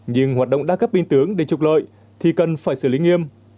nhưng hoạt động đa cấp biên tướng để trục lợi thì cần phải xử lý nghiêm